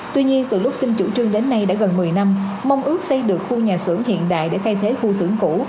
tuy nhiên từ lúc xin chủ trương đến nay đã gần một mươi năm mong ước xây được khu nhà xưởng hiện đại để thay thế khu xưởng cũ